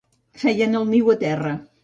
Feien el niu a terra.